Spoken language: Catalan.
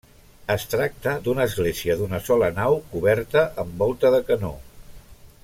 Es tracta d'una església d'una sola nau coberta amb volta de canó.